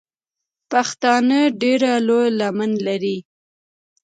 پښتانه ډېره لو لمن لري.